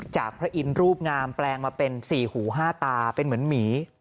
พระอินทร์รูปงามแปลงมาเป็นสี่หูห้าตาเป็นเหมือนหมี